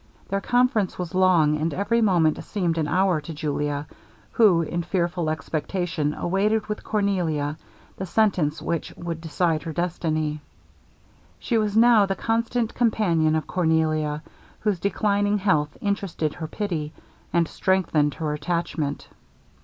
This conference was long, and every moment seemed an hour to Julia, who, in fearful expectation, awaited with Cornelia the sentence which would decide her destiny. She was now the constant companion of Cornelia, whose declining health interested her pity, and strengthened her attachment.